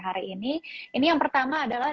hari ini ini yang pertama adalah